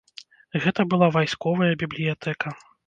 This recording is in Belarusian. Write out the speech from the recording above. Гэта была вайсковая бібліятэка.